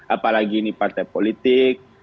apalagi ini partai politik